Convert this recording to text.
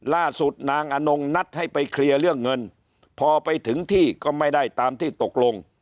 ล่าสุดนางอนงนัดให้ไปเคลียร์เรื่องเงินพอไปถึงที่ก็ไม่ได้ตามที่ตกลง